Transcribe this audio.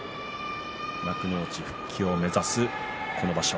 幕内復帰を目指す今場所